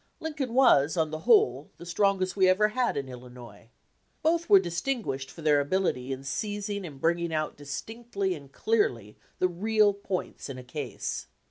Lincoln was, on the whole, the strongest we ever had in Illinois. Both were distinguished for their abil ity in seizing and bringing out distinctly and clearly the real points in a case.